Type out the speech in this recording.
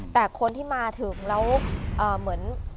แต่คนที่มาถึงแล้ว